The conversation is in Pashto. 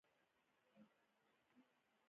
په ښار کې ښاري ټکسي موټر ډېر لږ ليدل کېږي